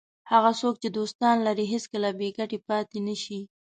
هغه څوک چې دوستان لري هېڅکله بې ګټې پاتې نه شي.